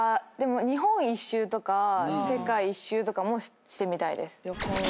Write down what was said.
日本一周とか世界一周とかもしてみたいです。